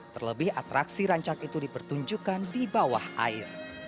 terlebih atraksi rancak itu dipertunjukkan di bawah air